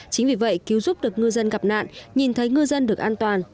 chính vì vậy cứu giúp được ngư dân gặp nạn nhìn thấy ngư dân được an toàn